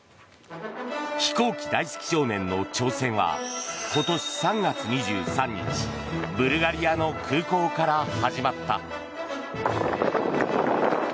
飛行機大好き少年の挑戦は今年３月２３日ブルガリアの空港から始まった。